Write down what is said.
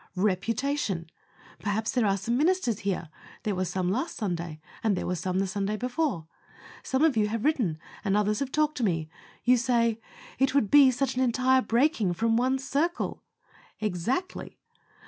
_ Reputation. Perhaps there are some ministers here. There were some last Sunday, and there were some the Sunday before. Some of you have written and others have talked to me. You say, "It would be such an entire breaking from one's circle." Exactly.